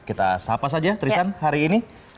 kita sahapas aja tristan hari ini